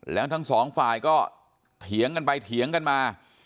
แล้วทั้งสองฝ่ายก็เถียงกันไปเถียงกันมา